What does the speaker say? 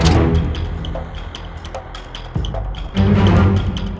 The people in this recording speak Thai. เหมือนกัน